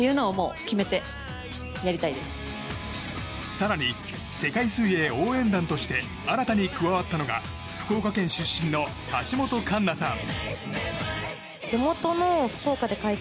更に世界水泳応援団として新たに加わったのが福岡県出身の橋本環奈さん。